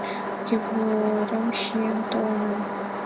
Тувырым чиен толынам